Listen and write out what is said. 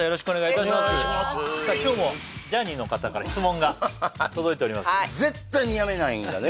今日もジャーニーの方から質問が届いておりますのではい絶対にやめないんだね